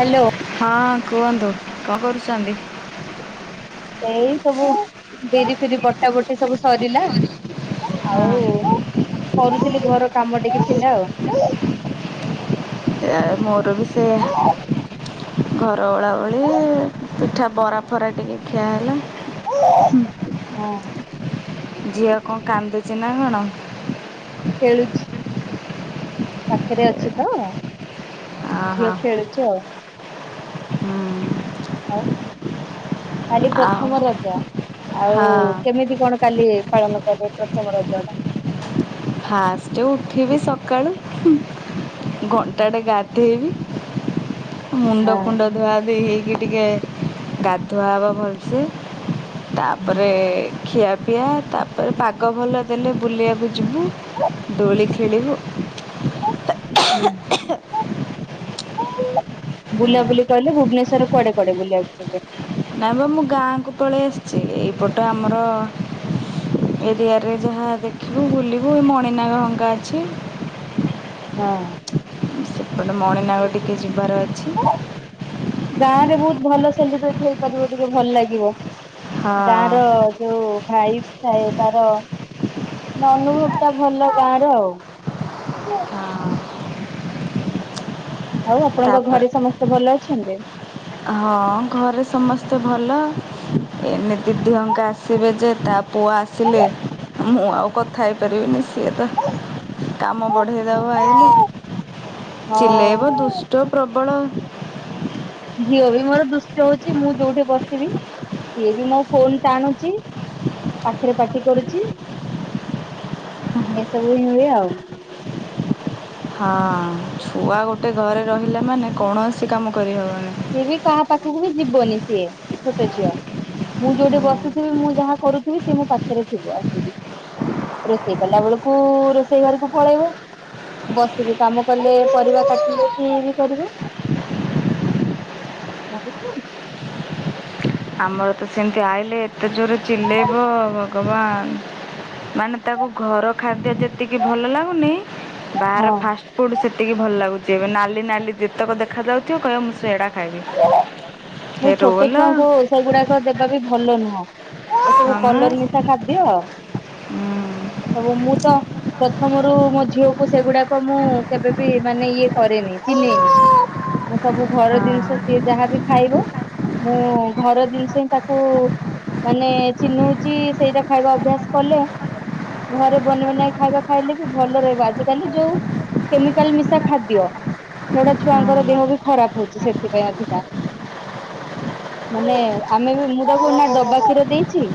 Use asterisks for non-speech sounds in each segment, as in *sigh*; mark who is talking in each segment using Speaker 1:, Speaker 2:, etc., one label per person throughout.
Speaker 1: Hello.
Speaker 2: ହଁ କୁହନ୍ତୁ, କଣ କରୁଚନ୍ତି?
Speaker 1: ଏଇ ସବୁ ବିରି ଫିରି ବଟା ବଟ ଏ ସବୁ ସରିଲା, ଆଉ
Speaker 2: ହଁ
Speaker 1: କରୁଥିଲି ଘର କାମ ଟିକେ ଥିଲା ଆଉ।
Speaker 2: ଏ ମୋର ବି ସେଇଆ। ଘର ଓଳା ଓଳି। ପିଠା ବରା ଫରା ଟିକେ ଖିଆ ହେଲା।
Speaker 1: ହଁ
Speaker 2: ଝିଅ କଣ କାନ୍ଦୁଚି ନା କଣ?
Speaker 1: ଖେଳୁଛି, ପାଖରେ ଅଛି ତ।
Speaker 2: ଓହୋ
Speaker 1: ଝିଅ ଖେଳୁଛି ଆଉ।
Speaker 2: ହୁଁ।
Speaker 1: ଆଉ। କାଲି
Speaker 2: ଆଉ
Speaker 1: ପ୍ରଥମ ରଜ, ଆଉ
Speaker 2: ହଁ
Speaker 1: କେମିତି କଣ କାଲି ପାଳନ କରିବେ ପ୍ରଥମ ରଜ ଟା?
Speaker 2: ଫାଷ୍ଟ ଉଠିବି ସକାଳୁ, ଘଣ୍ଟାଟେ ଗାଧେଇବି। ମୁଣ୍ଡ
Speaker 1: ଟା
Speaker 2: ଫୁଣ୍ଡ ଧୁଆ ଧୋଇ ହେଇକି ଟିକେ ଗାଧୁଆ ହବ ଭଲସେ।
Speaker 1: ହଁ
Speaker 2: ତାପରେ ଖିଆପିଆ। ତାପରେ ପାଗ ଭଲ ଦେଲେ ବୁଲିବାକୁୁ ଯିବୁ। ଦୋଳି ଖେଳିିବୁ।
Speaker 1: *unintelligible* ବୁଲାବୁଲି କଲେ ଭୁବନେଶ୍ୱର କଆଡେ କୁଆଡେ ବୁଲିବାକୁ ଯିବେ?
Speaker 2: ନାଇଁ ବା ମୁଁ ଗାଁକୁ ପଳେଇ ଆସିଛି। ଏଇ ପଟ ଆମର ଏରିଆ ରେ ଯାହା ଦେଖିବୁ, ବୁଲିବୁ, ଏ ମଣିନାଗ ହଙ୍କା ଅଛି।
Speaker 1: ହଁ।
Speaker 2: ସେପଟେ ମଣିନାଗ ଟିକେ ଯିବାର ଅଛି।
Speaker 1: ହଁ ଗାଁ ରେ ବହୁତ ଭଲ ସେଲିବ୍ରେଟି ହେଇପାରିବ ଟିକେ ଭଲ ଲାଗିବ।
Speaker 2: ହଁ
Speaker 1: ଗାଁ ର ଯୋଉ ଭାଇ ଥାଏ ତାର ନା ଅନୁଭୋବ ଟା ଭଲ ଗାଁର ଆଉ।
Speaker 2: ହଁ।
Speaker 1: ଆଉ ଆପଣଙ୍କ
Speaker 2: ତାପରେ
Speaker 1: ଘରେ ସମସ୍ତେ ଭଲ ଅଛନ୍ତି।
Speaker 2: ହଁ ଘରେ ସମସ୍ତେ ଭଲ ଏଇନେ ଦିଦି ଅଙ୍କା ଆସିବେ ଯେ ତାପ ପୁଅ ଆସିଲେ ମୁଁ ଆଉ କଥା ହେଇ ପାରିବିନି ସିଏ ତ। କାମ ବଢେଇ ଦବ ଆଇଲେ
Speaker 1: ହଁ।
Speaker 2: ଚିଲେଇବ ଦୁଷ୍ଟ ପ୍ରବଳ।
Speaker 1: ଝିଅ ବି ମୋର ଦୁଷ୍ଟ ହଉଛି ମୁଁ ଯୋଉଠି ବସିବି ସିଏ ବି ମୋ ଫୋନ ଟାଣୁଚି। ପାଖରେ ପାଟି କରୁଛି ଏସବୁ ହିଁ ହୁଏ ଆଉ।
Speaker 2: ହଁ ଛୁଆ ଗୋଟେ ଘରେ ରହିଲେ ମାନେ କୌଣସି କାମ କରି ହେବନି।
Speaker 1: ସିଏ ବି କାହା ପାଖକୁ ବି ଯିବନି ସିଏ ଛୋଟ ଝିଅ। ମୁଁ ଯୋଉଠି ବସିଥିବି ମୁଁ ଯାହା କରୁଥିବି ସେ ମୋ ପାଖରେ ଥିବ ଆସିକି। ରୋଷେଇ କଲା ବେଳକୁ ରୋଷେଇ ଘରକୁ ପଳେଇବ। ବସିକି କାମ କଲେ ପରିବା କାଟିଲେ ବି ଇଏ କରିବ। *unintelligible*
Speaker 2: ଆମର ତ ସେମିତି ଆଇିଲେ ଏତେ ଜୋର ଚିଲେଇବ। ଭଗବାନ ମାନେ ତାକୁ ଘର ଖାଦ୍ୟ ଯେତିକି ଭଲ ଲାଗୁନି। ବାହର
Speaker 1: ହଁ।
Speaker 2: ଫାଷ୍ଟ ଫୁଡ ସେତିକି ଭଲ ଲାଗୁଛି ଏବେ ନାଲି ନାଲି ଯେତେକ ଦେଖାଯାଉ ଥିବ କହିବ ମୁଁ ସେଡା। ଖାଇବି
Speaker 1: ମୁଁ
Speaker 2: ହେ
Speaker 1: ଛୋଟ
Speaker 2: ରୋଲ।
Speaker 1: ଛୁଆଙ୍କୁ ସେଗୁଡାକ ଦେବା ବି ଭଲ ନୁହଁ। ଏସବୁ
Speaker 2: ହଁ
Speaker 1: କଲର ମିଶା ଖାଦ୍ୟ ଏସବୁ ମୁଁ ତା। ପ୍ରଥମରୁ ମୋ ଝିଅକୁ ସେଗୁଡାକ ମୁଁ କେବେବି ମାନେ ଇଏ କରେନି ଚିହ୍ନେନି। ମୁଁ ସବୁ ଘର
Speaker 2: ହଁ
Speaker 1: ଜିନିଷ ସିଏ ଯାହାବି ଖାଇବ। ମୁଁ ଘର ଜିନିଷ ହିଁ ତାକୁ। ମାନେ ଚିହ୍ନଉଛି ସେଇଟା ଖାଇବା ଅଭ୍ୟାସ କଲେ। ଘରେ ବନି ବନାଇ ଖାଇବା ଖାଇଲେ ବି ଭଲ ରହିବ ଆଜି କାଲି ଯୋଉ। କେମିକାଲ ମିଶା ଖାଦ୍ୟ ସେଗୁଟା ଛୁଆଙ୍କର ଦେହ ବି ଖରାପ ହଉଛି ସେ ଥି ପାଇଁ ଅଧିକା। ମାନେ ଆମେ ବି ମୁଁ ତାକୁ ନା ଡବା କ୍ଷୀର ଦେଇଛି।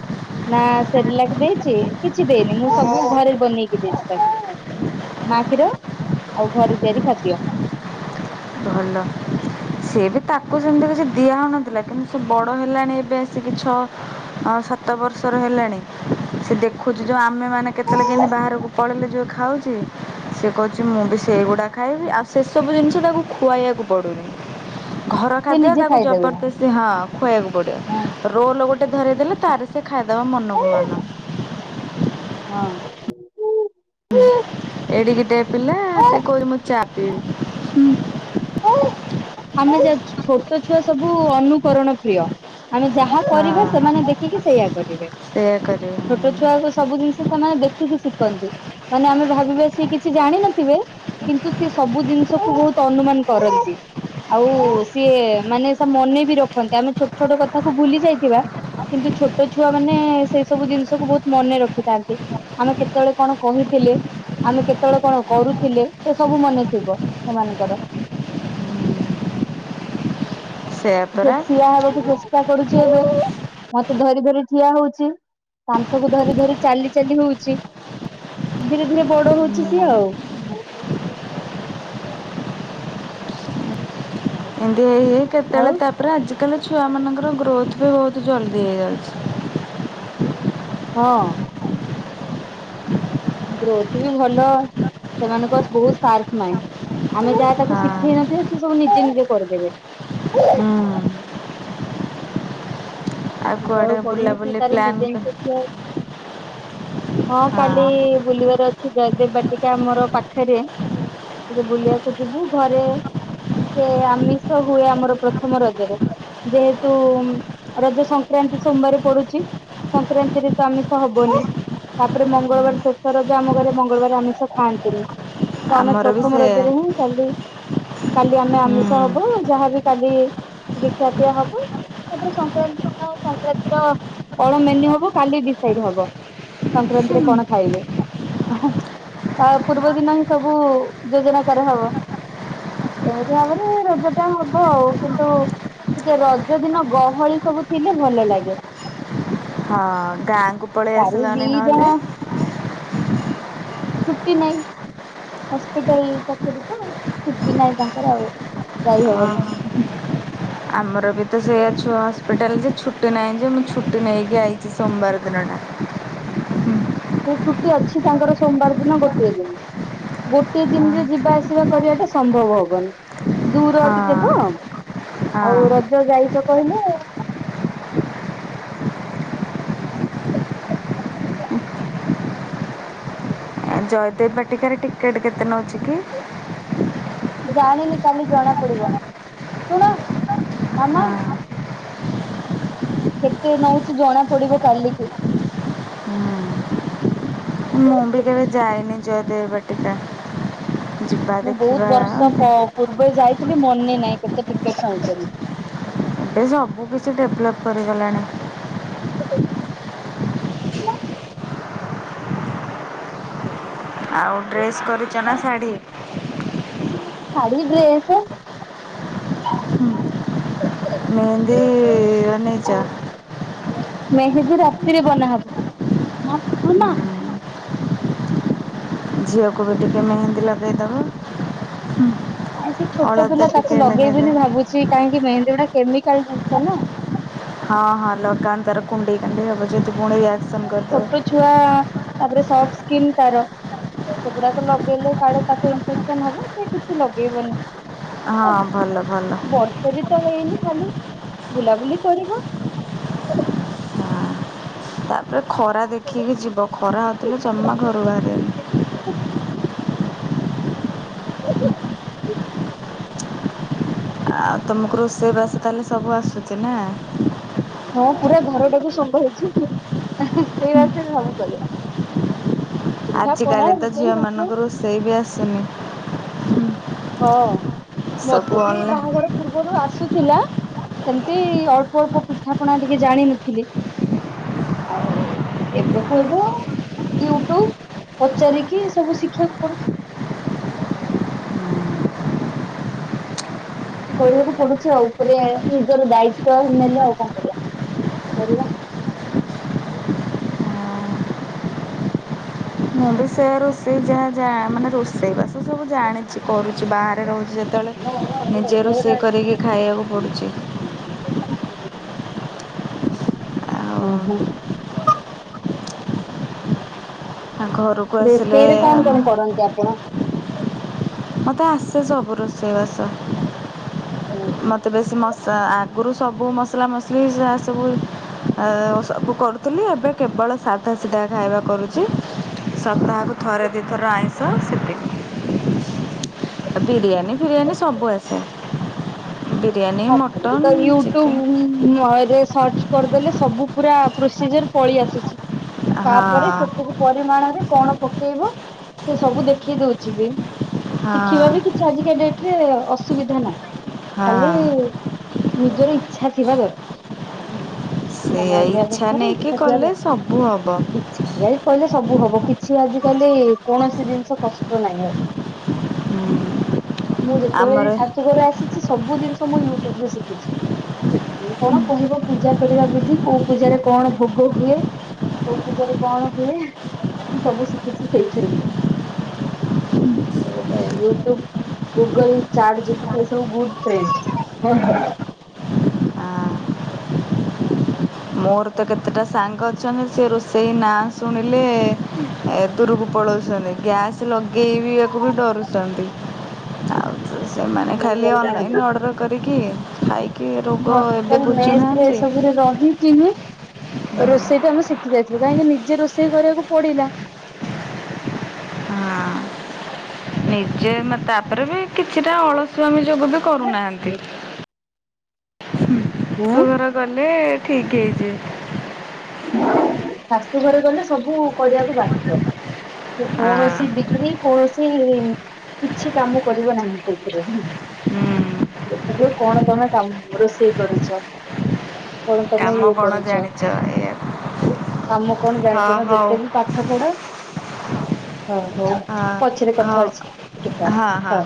Speaker 1: ନା ସରେଲାକ ଦେଇଛି କିଛି ଦେଇନି ମୁଁ ସବୁ ଘରେ ବନେଇକି ଦେଇଛି ତାକୁ। ମା ଖୀର ଆଉ ଘରେ ତିଆରି ଖାଦ୍ୟ।
Speaker 2: ଭଲ। ସିଏ ବି ତାକୁ ସେମତି କିଛି ଦିଆ ହଉ ନଥିଲା କିନ୍ତୁ ସେ ବଡ ହେଲାଣି ଏବେ ଆସିକି ଛ ଅ ସାତ ବର୍ଷର ହେଲାଣି ସେ ଦେଖୁ ଚି ଯୋଉ ଆମେ ମାନେ କେତେସବେଳେ କେମିତି ବାହାରକୁ ପଳେଇଲେ ଯୋଉ ଖାଉଛୁ। ସେ କହୁଛି ମୁଁ ବି ସେଇଗୁଡା ଖାଇବି ଆଉ ସେ ସବୁ ଜିନିଷ ତାକୁ ଖୁଆଇଆକୁ ପଡୁନି। ଘର
Speaker 1: ସେ
Speaker 2: ଖାଦ୍ୟ
Speaker 1: ନିଜେ
Speaker 2: ତାକୁ
Speaker 1: ଖାଇଦେବେ
Speaker 2: ଜବରଦସ୍ତି ହଁ ଖୁଆଇବାକୁ ପଡେ।
Speaker 1: ହଁ।
Speaker 2: ରୋଲ୍ ଗୋଟେ ଧରେଇ ଦେଲେ ତାର ସିଏ ଖାଇଦବ ମନକୁ ମନ।
Speaker 1: ହଁ।
Speaker 2: ହୁଁ ଏଡିକି ଟେ ପିଲା ସେ କଉଚି ମୁଁ ଚା ପିବି।
Speaker 1: ଆମେ ଜେ ଛୋଟ ଛୁଆ ସବୁ ଅନୁକରଣ ପ୍ରିୟ। ଆମେ ଯାହା କରିବା
Speaker 2: ହଁ
Speaker 1: ସେମାନେ ଦେଖିକି ସେଇଆ କରିବେ
Speaker 2: ସେଇଆ କରିବି
Speaker 1: ଛୋଟ ଛୁ ଛୁଆ ସେ ସବୁ ଜିନିଷ ସେମାନେ ଦେଖିକି ଶିଖନ୍ତି ମାନେ ଆମେ ଭାବିବା ସିଏ କିଛି ଜାଣିନଥିବେ। କିନ୍ତୁ ସେ ସବୁ ଜିନିଷକୁୁ ବହୁତ ଅନୁମାନ କରନ୍ତି। ଆଉ ସିଏ ମାନେ ସ ମନେ ବି ରଖନ୍ତି ଆମେ ଛୋଟ ଛୋଟ କଥାକୁ ଭୁଲି ଯାଇଥିବା। କିନ୍ତୁ ଛୋଟ ଛୁଆ ମାନେ ସେ ସବୁ ଜିନିଷକୁୁ ବହୁତ ମନେ ରଖିଥାନ୍ତି। ଆମେ କେତେବେଳେ କଣ କହିଥିଲେ। ଆମେ କେତେ ବେଳେ କଣ କରୁଥିଲେ ସେ ସବୁ ମନେ ଥିବ ସେମାନଙ୍କର।
Speaker 2: ସେଇଆ
Speaker 1: ଝିଅ
Speaker 2: ପରା
Speaker 1: ଠିଆ ହବାକୁ ଚେଷ୍ଟା କରୁଛି ଏବେ ମତେ ଧରି ଧରି ଠିଆ ହଉଛି। କାନ୍ଥକୁ ଧରି ଧରି ଚାଲି ଚାଲି ହଉଛି ଧୀରେ ଧୀରେ ବଡ ହଉଛି ସିଏ ଆଉ।
Speaker 2: ଏମତି ହେଇ ହେଇ କେତେ
Speaker 1: ଆଉ
Speaker 2: ବେଳେ ତାପରେ ଆଜି କାଲି ଛୁଆ ମାନଙ୍କର ଗ୍ରୋଥ ବି ବହୁତ ଜଲଦି ହେଇଯାଉଛି।
Speaker 1: ହଁ। ଗ୍ରୋଥ ବି ଭଲ ସେମାନଙ୍କ ବହୁତ ସାର୍ପ ମାଇଣ୍ଡ। ଆମେ ଯାହା ତାକୁ
Speaker 2: ହଁ।
Speaker 1: ଶିଖେଇ ନଥିବେ ସେ ସବୁ ନିଜେ ନିଜେ କରିଦେବେ।
Speaker 2: ହୁଁ
Speaker 1: ସେଠି ଆଉ
Speaker 2: କୁଆଡ଼େ
Speaker 1: ପଢୁନି ସେ
Speaker 2: ବୁଲାବୁଲି
Speaker 1: ତାର
Speaker 2: ପ୍ଲାନ୍
Speaker 1: ନିଜେି ଠିଆ ହଁ କାଲି ବୁଲିବାର ଅଛି ଜୟଦେବ ବାଟିକା ମୋର ପାଖରେ ଟିକେ ବୁଲିବାକୁ ଯିବୁ ଘରେ ଟ ଆମିଷ ହୁଏ ଆମର ପ୍ରଥମ ରଜରେ। ଯେହେତୁ ରଜ ସଂକ୍ରକ୍ରାନ୍ତି ସୋମବାର ପଡୁଛି। ସଂକ୍ରାନ୍ତି ରେ ତ ଆମିଷ ହବନି। ତାପରେ ମଙ୍ଗଳବାର ଶେଷ ରଜ ଆମ ଘରେ ମଙ୍ଗଳବାର ଆମିଷ ଖାଆନ୍ତିନି। ତ ଆମେ
Speaker 2: ଆମର ବି
Speaker 1: ପ୍ରଥମ
Speaker 2: ସେୟା
Speaker 1: ରଜରେ ହିଁ କାଲି କାଲି ଆମେ
Speaker 2: ହୁଁ
Speaker 1: ଆମିଷ ହବ ଯାହାବ କାଲି ଟିକ ଖିଆ ପିଆ ହବ। ତାପରେ ସଂକ୍ରାନ୍ତି ଦିନ ସଂକ୍ରାନ୍ତି ର ଅଳ ମେନ୍ୟୁ ହବ କାଲି ଡିସାଇଡ ହବ। ସଂକ୍ରାନ୍ତିରେ କଣ ଖାଇବେ? ତା ପୂର୍ବ ଦିନ ହିଁ ସବୁ ଯୋଜନା କରାହେବ। ଏମିତି ଭାବରେ ରୋଜ ଟା ହବ ଆଉ କିନ୍ତୁ ସେେ ରଜ ଦିନ ଗହଳି ସବୁ ଥିଲେ ଭଲ ଲାଗେ।
Speaker 2: ଗାଁ କୁ ପଳେଇ ଆସିଲନି।
Speaker 1: ଦିଜଣ
Speaker 2: ନହେଲେ।
Speaker 1: ଛୁଟି ହସ୍ପିଟାଲ ପାଖରେ ତ ଛୁଟି ନାହିଁ ତାଙ୍କର ଆଉ ଯାଇ ହବନି।
Speaker 2: ଆମର ବି ତ ସେଇା ହସ୍ପିଟାଲ ଯେ ଛୁଟି ନାହିଁ ଯେ ମୁ ଛୁଟି ନେଇକି ଆାଇଛି ସୋମବାର ଦନଟା।
Speaker 1: ସେ ଛୁଟି ଅଛି ତାଙ୍କର ସୋମବାର ଦିନ ଗୋଟିଏ ଦିନ। ଗୋଟେ ଦିନରେ ଯିବା ଆସିବା କରିବା ଟା ସମ୍ଭବ ହବନି। ଦୂର
Speaker 2: ହଁ
Speaker 1: ଟିକେ ତ ଆଉ
Speaker 2: ହଁ।
Speaker 1: ରଜ ଯାଇଛ କହିଲେ।
Speaker 2: ଜୟଦେବ ବାଟିକାର ଟିକେଟ୍ କେତେ ନେଉଛି କି?
Speaker 1: ଜାଣିନି କାଲି ଜଣା ପଡିବ ଶୁଣ ମାମା।
Speaker 2: ହଁ।
Speaker 1: କେତେ ନଉଛି ଜଣା ପଡିବ କାଲିକି।
Speaker 2: ହୁଁ। ମୁଁ ବି କେବେ ଯାଇନି ଜୟଦେବା ଟିକା ଯିବା
Speaker 1: ମୁଁ ବହୁତ
Speaker 2: ଦେଖିବା।
Speaker 1: ବର୍ଷ ପ ପୂର୍ବେ ଯାଇଥିଲି ମନେ ନହିଁ କେତେ ଟିକେ ନଉଛନ୍ତି।
Speaker 2: ଏବେ ସବୁ କିଛି ଡେଭଲପ୍ କରିଗଲାଣି। ଆଉ ଡ୍ରେସ୍ କରିଛ ନା ଶାଢ଼ୀ?
Speaker 1: ଶାଢ଼ୀ ଡ୍ରେସ।
Speaker 2: ମେହେନ୍ଦି ଏ ବନେଇଜ।
Speaker 1: ମେହେଦୀ ରାତିରେ ବନାହବ ହ ମାମା
Speaker 2: ଝିଅକୁ ବି ଟିକେ ମେହେନ୍ଦୀ ଲଗେଇଦବ।
Speaker 1: ଆ ସେ ଛୋଟ
Speaker 2: ଅଳତା
Speaker 1: ପିଲା ତାକୁ
Speaker 2: ଟିକେ
Speaker 1: ଲଗେଇବନି
Speaker 2: ଲଗେଇଦବ
Speaker 1: ଭାବୁଛି କାହିଁକି ମେହେନ୍ଦୀ ଗୁଟା କେମିକାଲ ଜିନିଷ ନା।
Speaker 2: ହଁ ହଁ ଲକଡାଉନ ତାର କୁଣ୍ଡେଇ କଣ୍ଡେ ହେବ ଯେ ତୁ ପୁଣି ରିଆକ୍ସନ
Speaker 1: ଛୋଟ
Speaker 2: କରିଦବ।
Speaker 1: ଛୁଆ ତାପରେ ସଫ୍ଟ ସ୍କିନ ତାର। ସେଗୁଡାକ ଲଗେଇଲେ କାଳେ ତାକୁ ଇନଫେକ୍ସନ ହବ ସେ କିଛି ଲଗେଇବନି।
Speaker 2: ହଁ ଭଲ ଭଲ।
Speaker 1: ସେ ବି ତ ହେଇନି ଖାଲି ବୁଲାବୁଲି କରିବ।
Speaker 2: ତାପରେ ଖରା ଦେଖିକି ଯିବ ଖରା ହଥିଲ ଜମା ଘରୁ ବାହାରିଲେ।
Speaker 1: ହ।
Speaker 2: ଆଉ ତୁମକୁ ରୋଷେଇବାସ ତାହେଲେ ସବୁ ଆସୁଛି ନା।
Speaker 1: ହଁ ପୁରା ଘରଟାକୁ ସମ୍ଭଳଇଛି ସେଇ ବାସ ସବୁ କଲେ।
Speaker 2: ଆଜ କାଲି ତ
Speaker 1: ରୋଷେଇ
Speaker 2: ଝିଅ
Speaker 1: ବାସ
Speaker 2: ମାନଙ୍କୁ ରୋଷେଇ ବି ଆସୁନି।
Speaker 1: ହଁ ମତେ
Speaker 2: ସବୁ
Speaker 1: ବି
Speaker 2: ଅନଲାଇନ୍
Speaker 1: ବାହାଘର। ପୂର୍ବରୁ ଆସୁଥିଲା ସେମତି ଅଳ୍ପ ଅଳ୍ପ ପିଠାପଣା ଟିକେ ଜାଣିିନଥିଲି। ଆଉ ଏବେ କୁ ହେବେ ଆ ୟୁଟ୍ୟୁବ ପଚାରିକି ସବୁ ଶିଖିବାକୁ ପଡୁଛି। କହିବାକୁ ପଡୁଛି ଆଉ ଉପରେ ନିଜର ଦାୟିତ୍ଵ ନେଲେ ଆଉ କଣ କରିବା କରିବା।
Speaker 2: ମୁଁ ବି ସେ ରୋଷେଇ ଯାହା ମାନେ ରୋଷେଇ ବା ସେ ସବୁ ଜାଣି କିଛି କରୁଛି ବାହାରେ ରହୁଛି ଯେତେବେଳେ ନିଜେ ରୋଷେଇ କରିକି ଖାଇବାକୁ ପଡ଼ୁଛି। ଆଉ
Speaker 1: ହୁଁ ହୁଁ।
Speaker 2: ତାଙ୍କ ଘରୁ
Speaker 1: ରୋଷେଇରେ କଣ କଣ କରନ୍ତି ଆପଣ?
Speaker 2: ମତେ ଆସେ ସବୁ ରୋଷେଇବାସ ମତେ ବେଶୀ ମ ଆଗରୁ ସବୁ ମସଲା ମସଲି ଯାହା ସବୁ ସବୁ କରୁ ଥିଲି ଏବେ କେବଳ ସାଧା ସିଧା ଖାଇବା କରୁଛି। ସପ୍ତାହକୁ ଥରେ ଦୁଇଥର ଆଇଁଷ ସେତିକି। ବିରିୟାନୀ ଫିରିୟାନୀ ସବୁ ଆସେ। ବିରିୟାନୀ
Speaker 1: ସବୁବେଳେ
Speaker 2: ମଟନ୍ ଚିକେନ୍
Speaker 1: ୟୁଟ୍ୟୁବରେ ସର୍ଚ୍ଚ କରିଦେଲେ ସବୁ ପୁରା ପ୍ରୋସିଜର ପଳେଇ ଆସୁଛି
Speaker 2: ହଁ
Speaker 1: ତାପରେ ସେଥିରେ ପରିମାଣରେ କଣ ପକେଇବ ସେ ସବୁ ଦେଖେଇ ଦଉଛି ବି
Speaker 2: ହଁ
Speaker 1: ଶିଖିବାବି କିଛି ଆଜିକା ଡେଟରେ ଅସୁବିଧା ନାଇଁ।
Speaker 2: ହାଁ।
Speaker 1: ନିଜର ଇଛା ଥିବା ଦରକାର ହେଲା।
Speaker 2: ସେଇଆ
Speaker 1: ସମୟ ଥିବା
Speaker 2: ଇଚ୍ଛା
Speaker 1: ଦରକାର
Speaker 2: ନେଇକି
Speaker 1: ଇଚ୍ଛା ଥିଆ
Speaker 2: କଲେ ସବୁ ହବ
Speaker 1: ଦରକାର। *inaudible* କହିଲେ ସବୁ ହବ କିଛି ଆଜ କାଲି କୌଣସି ଜିନିଷ କଷ୍ଟ ନାହିଁ ଆଉ।
Speaker 2: ହୁଁ।
Speaker 1: ମୁଁ ଯେତେବେଳେ ବି ଶାଶୁଘର ଆସିଛି ସବୁ ଜିନିଷ ମୁଁ ୟୁଟ୍ୟୁବରୁ ଶିଖିଛି। କିଏ କଣ କହିବ ପୂଜା କରିବା ବିଧି କୋଉ ପୂଜାରେ କଣ ଭୋଗ ହୁଏ? କୋଉ ପୂଜାରେ କଣ ହୁଏ ମୁଁ ସବୁ ଶିଖିଛି ସେଇଥିରୁ। ଗୋଟେ ୟୁଟ୍ୟୁବ ଗୁଗଲ ଚାଟ ଜିପିଟି ଏ ସବୁ ବୋହୁତ ଟ୍ରେଣ୍ଡ। କୁହ।
Speaker 2: ମୋର ତ କେତେଟା ସାଙ୍ଗ ଅଛନ୍ତି ସେ ରୋଷେଇ ନାଁ ଶୁଣିଲେ ଏ ଦୂରକୁ ପଳଉଛନ୍ତି ଗ୍ୟାସ୍ ଲଗେଇବାକୁ ବି ଡରୁଛନ୍ତି। ଆଉ
Speaker 1: *inaudible*
Speaker 2: ସେମାନେ ଖାଲି ଅନଲାଇନ୍ ଅର୍ଡ଼ର କରିକି ଖାଇ
Speaker 1: ହଷ୍ଟେଲ ମେସ ଏସବୁରେ ରହିଛି ମୁଁ। ରୋଷେଇ ତ ମୁଁ ଶିଖି ଯାଇଥିଲୁ କାହିଁକି ନିଜେ ରୋଷେଇ କରିବାକୁ ପଡିଲା।
Speaker 2: ହଁ। ନିଜେ ତାପରେ ବି କିଛିଟା ଅଳସୁଆମିଯୋଗୁ ବି କରୁନାହାନ୍ତି।
Speaker 1: ଉଁ
Speaker 2: ଶାଶୁଘର ଗଲେ ଠିକ୍ ହେଇଯିବେ।
Speaker 1: ଶାଶୁଘରେ ଗଲେ ସବୁ କରିବାକୁ ବାଧ୍ୟ
Speaker 2: ହଁ
Speaker 1: କୌଣସି ଡିଗ୍ରୀ କୌଣସି କିଛି କାମ କରିବ ନାହିଁ ସେଥିରେ ହୁଁ।
Speaker 2: ହୁଁ
Speaker 1: ଦେଖାଯାଉ କଣ କଣ ରୋଷେଇ କରୁଛ? କଣ ତମେ
Speaker 2: କାମ
Speaker 1: ଇଏ
Speaker 2: କଣ
Speaker 1: କରୁଛ
Speaker 2: ଜାଣିଛ ଏଇଆ
Speaker 1: କାମ କଣ
Speaker 2: ହଁ
Speaker 1: ଜାଣିଛ ନା
Speaker 2: ହଉ
Speaker 1: ଯେତେ ବି ପାଠ ପଢ। ହଁ ହଉ
Speaker 2: ହଁ
Speaker 1: ପଛରେ କଥା
Speaker 2: ହଉ
Speaker 1: ହଉଛି ଟିକେ ପରେ ହଁ।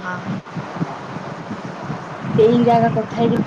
Speaker 1: ସେଇ ଜାଗା କଥା ହେଇକି